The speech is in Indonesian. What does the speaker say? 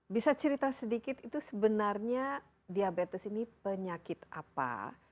bisa cerita sedikit itu sebenarnya diabetes ini penyakit apa